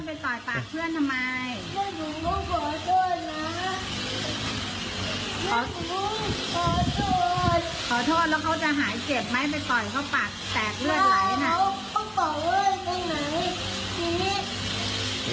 ไปต่อยปากเพื่อนทำไม